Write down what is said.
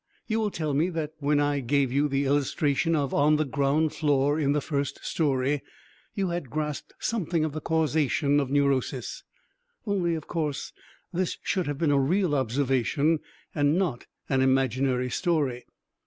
You will tell me that when I gave you the illustration of "on the ground floor in the first story," you had grasped something of the causation of neurosis, only of course this should have been a real observation and not an imaginary story.